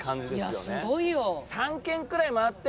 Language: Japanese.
すごいよ。